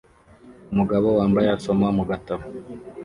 Umugabo wambaye asoma mu gatabo